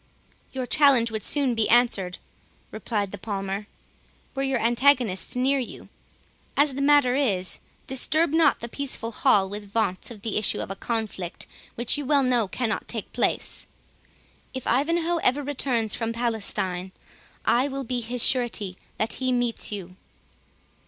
"Your challenge would soon be answered," replied the Palmer, "were your antagonist near you. As the matter is, disturb not the peaceful hall with vaunts of the issue of the conflict, which you well know cannot take place. If Ivanhoe ever returns from Palestine, I will be his surety that he meets you."